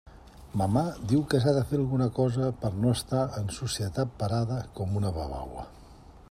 Mamà diu que s'ha de fer alguna cosa per a no estar en societat parada com una babaua.